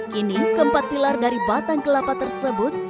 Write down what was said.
kini keempat pilar dari batang kelapa tersebut